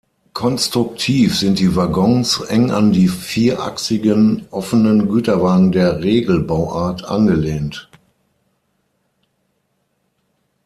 Konstruktiv sind die Waggons eng an die vierachsigen offenen Güterwagen der Regelbauart angelehnt.